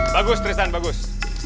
bagus tristan bagus